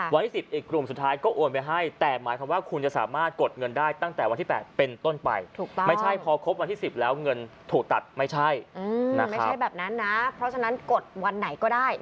วันที่๑๐อีกกลุ่มสุดท้ายก็โอนไปให้